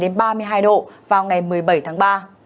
đến ba mươi hai độ vào ngày một mươi bảy tháng ba